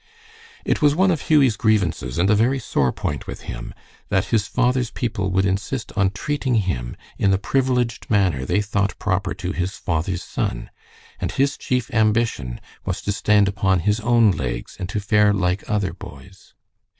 It was one of Hughie's grievances, and a very sore point with him, that his father's people would insist on treating him in the privileged manner they thought proper to his father's son, and his chief ambition was to stand upon his own legs and to fare like other boys.